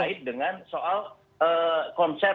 tidak masuk ke dalam situ